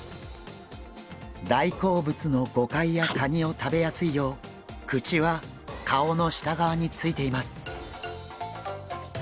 大好物のゴカイやカニを食べやすいよう口は顔の下側についています。